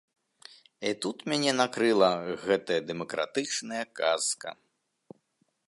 І тут мяне накрыла гэтая дэмакратычная казка!